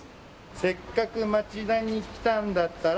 「せっかく町田に来たんだったら」